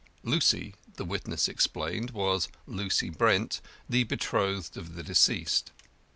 Lucy, the witness explained, was Lucy Brent, the betrothed of the deceased.